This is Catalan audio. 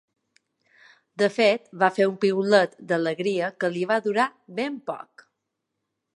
De fet, va fer un piulet d’alegria que li va durar ben poc.